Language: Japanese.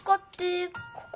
ここ？